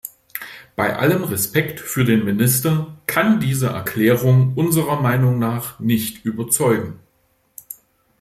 Bei allem Respekt für den Minister kann diese Erklärung unserer Meinung nach nicht überzeugen.